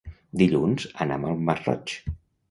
Dilluns anam al Masroig.